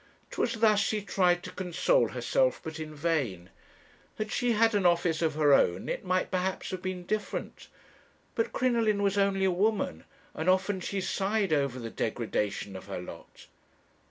'Twas thus she tried to console herself, but in vain. Had she had an office of her own it might perhaps have been different; but Crinoline was only a woman; and often she sighed over the degradation of her lot.